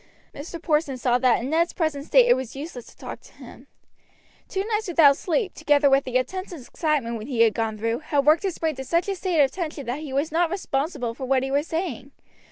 Mr. Porson saw that in Ned's present state it was useless to talk to him. Two nights without sleep, together with the intense excitement he had gone through, had worked his brain to such a state of tension that he was not responsible for what he was saying.